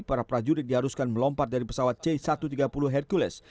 para prajurit diharuskan melompat dari pesawat c satu ratus tiga puluh hercules